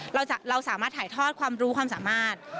เราสามารถถ่ายทอดความรู้ความสามารถ